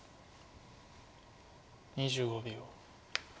２５秒。